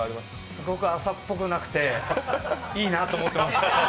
すごく朝っぽくなくていいなと思っています。